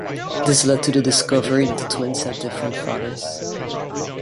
This led to the discovery that the twins had different fathers.